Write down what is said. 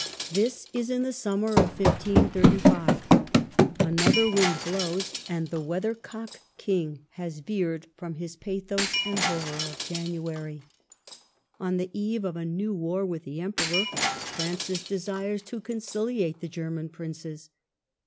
This is in the summer of 1535. Another wind blows, and the weathercock King has veered from his pathos and horror of January. On the eve of a new war with the Emperor, Francis desires to conciliate the German princes.